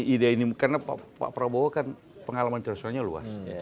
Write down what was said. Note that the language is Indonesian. ide ini karena pak prabowo kan pengalaman internasionalnya luas